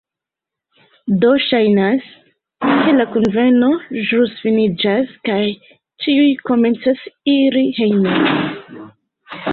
Do, ŝajnas, ke la kunveno ĵus finiĝas kaj ĉiuj komencas iri hejmen